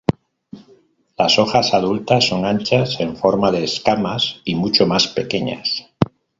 Las hojas adultas son anchas, en forma de escamas y mucho más pequeñas.